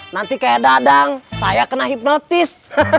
nanti kayak dadang saya kena hipnotis